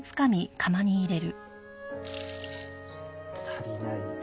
足りない分。